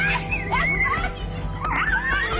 อ่าตายกันเลย